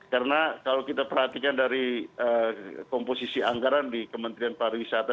karena kalau kita perhatikan dari komposisi anggaran di kementerian pariwisata